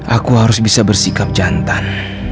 aku harus bisa bersikap jantan